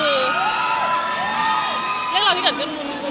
เรื่องราวที่เกิดขึ้นวุ้น